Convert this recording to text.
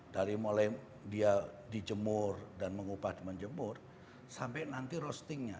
dari mulai dia dijemur dan mengubah menjemur sampai nanti roastingnya